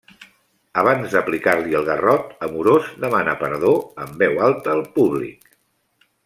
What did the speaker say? Abans d'aplicar-li el garrot, Amorós demanà perdó en veu alta al públic.